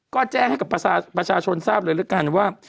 ก็แจ้งให้กับประชาชนทราบเลยแล้วกันว่า